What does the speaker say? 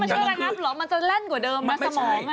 อันนี้มันช่วยระงับเหรอมันจะเล่นกว่าเดิมนะสมอง